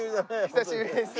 久しぶりです。